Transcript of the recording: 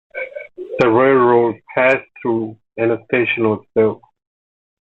The railroad passed through and a station was built.